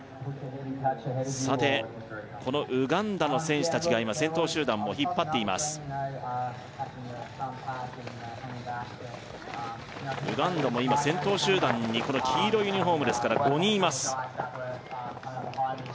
さてこのウガンダの選手達が今先頭集団を引っ張っていますウガンダも今先頭集団にこの黄色いユニフォームですから５人います